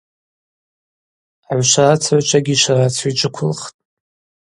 Агӏвшварацыгӏвчвагьи йшварацуа йджвыквылхтӏ.